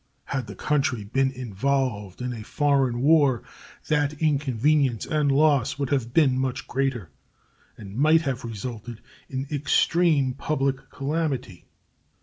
Had the country been involved in a foreign war, that inconvenience and loss would have been much greater, and might have resulted in extreme public calamity.